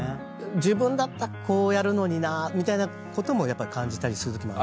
自分だったらこうやるのになみたいなこともやっぱり感じたりするときもある？